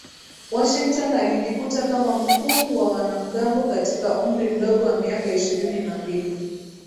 Washington alijikuta kama mkuu wa wanamgambo katika umri mdogo wa miaka ishirini na mbili